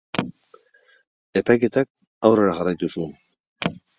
Epaiketak aurrera jarraitu zuen.